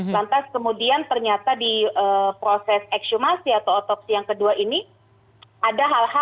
lantas kemudian ternyata di proses eksumasi atau otopsi yang kedua ini ada hal hal yang ternyata sifatnya bisa dikira